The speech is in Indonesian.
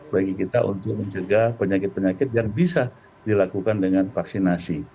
bagi kita untuk mencegah penyakit penyakit yang bisa dilakukan dengan vaksinasi